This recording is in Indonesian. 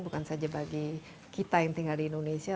bukan saja bagi kita yang tinggal di indonesia